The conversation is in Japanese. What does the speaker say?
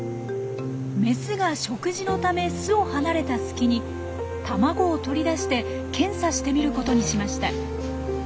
メスが食事のため巣を離れた隙に卵を取り出して検査してみることにしました。